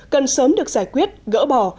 cần sớm được giải quyết gỡ bỏ